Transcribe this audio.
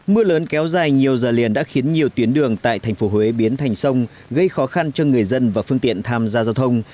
mưa lớn kéo dài nhiều giờ liền đã khiến nhiều tuyến đường tại thành phố huế biến thành sông gây khó khăn cho người dân và phương tiện tham gia giao thông